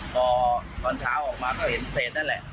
ก็ก่อนเช้าออกมาก็เห็นเส้นนั่นแหละ